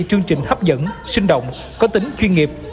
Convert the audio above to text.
chương trình hấp dẫn sinh động có tính chuyên nghiệp